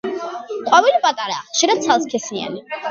ყვავილი პატარაა, ხშირად ცალსქესიანი.